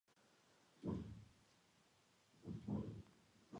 ბუდაპეშტის ტრამვაის მოძრავი შემადგენლობა საკმაოდ მრავალფეროვანია.